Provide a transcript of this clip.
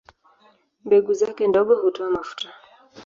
Mbegu zake ndogo hutoa mafuta.